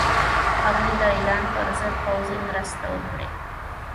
هغوی د ایران پر ضد پوځي مرسته وکړي.